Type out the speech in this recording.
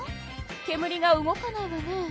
けむりが動かないわね。